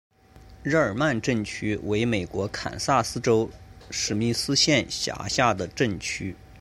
日耳曼镇区为美国堪萨斯州史密斯县辖下的镇区。